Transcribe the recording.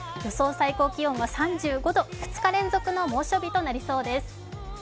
最高気温は３５度２日連続の猛暑日となりそうです。